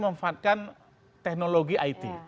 memanfaatkan teknologi it